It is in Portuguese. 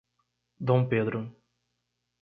Dom Pedro